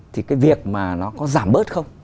thì cái việc mà nó có giảm bớt không